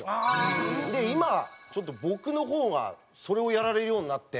今ちょっと僕の方がそれをやられるようになって。